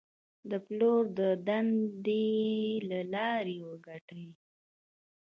د پلور د دندې له لارې وګټئ.